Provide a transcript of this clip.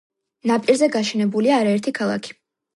ნაპირზე გაშენებულია არაერთი ქალაქი.